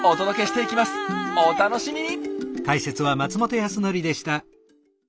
お楽しみに！